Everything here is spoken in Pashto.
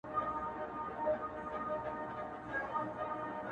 خپل عمل، د لاري مل دئ.